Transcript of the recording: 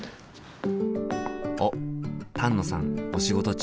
おっ丹野さんお仕事中。